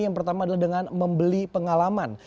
yang pertama adalah dengan membeli pengalaman